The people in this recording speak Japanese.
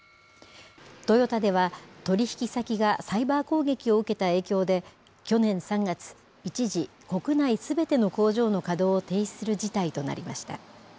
トヨタでは、取引先がサイバー攻撃を受けた影響で、去年３月、一時、国内すべての工場の稼働を停止する事態となりました。